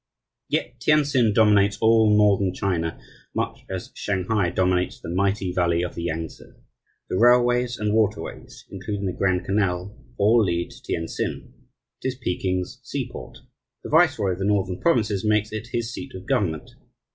Yet Tientsin dominates all Northern China much as Shanghai dominates the mighty valley of the Yangtse. The railways and waterways (including the Grand Canal) all lead to Tientsin. It is Peking's seaport. The viceroy of the Northern Provinces makes it his seat of government.